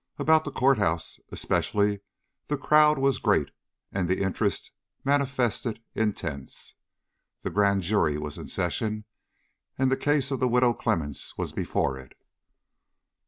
About the court house especially the crowd was great and the interest manifested intense. The Grand Jury was in session, and the case of the Widow Clemmens was before it.